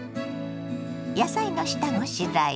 野菜の下ごしらえ。